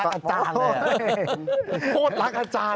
โคตรรักอาจารย์